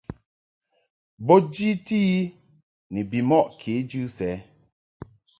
Bo jiti i ni bimɔʼ kejɨ sɛ.